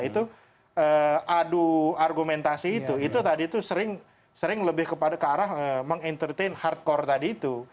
itu adu argumentasi itu tadi itu sering lebih ke arah mengintertain hardcore tadi itu